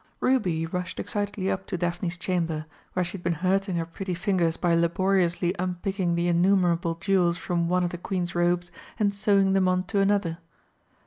Ruby rushed excitedly up to Daphne's chamber, where she had been hurting her pretty fingers by laboriously unpicking the innumerable jewels from one of the Queen's robes and sewing them on to another.